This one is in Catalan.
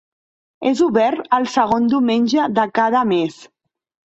És obert el segon diumenge de cada mes.